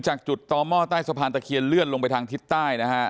จากจุดต่อหม้อใต้สะพานตะเคียนเลื่อนลงไปทางทิศใต้นะฮะ